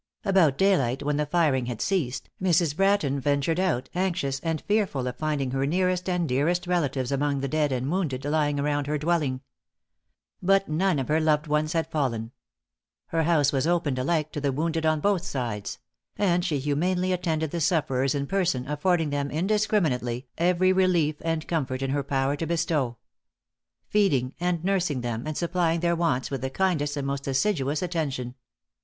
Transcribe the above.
About daylight, when the firing had ceased, Mrs. Bratton ventured out, anxious, and fearful of finding her nearest and dearest relatives among the dead and wounded lying around her dwelling. But none of her loved ones had fallen. Her house was opened alike to the wounded on both sides; and she humanely attended the sufferers in person, affording them, indiscriminately, every relief and comfort in her power to bestow; feeding and nursing them, and supplying their wants with the kindest and most assiduous attention.